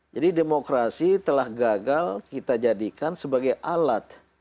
jadi demokrasi telah gagal kita jadikan sebagai alat